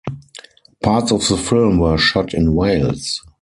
Parts of the film were shot in Wales.